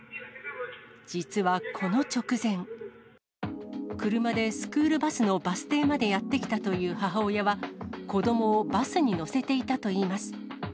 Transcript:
実はこの直前、車でスクールバスのバス停までやって来たという母親は、子どもをバスに乗せていたといいます。